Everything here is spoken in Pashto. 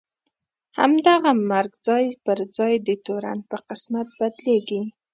همدغه مرګ ځای پر ځای د تورن په قسمت بدلېږي.